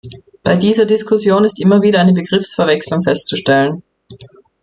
Bei dieser Diskussion ist immer wieder eine Begriffsverwechslung festzustellen.